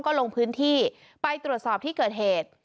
ก็ลงพื้นที่ไปตรวจสอบที่เกิดเหตุ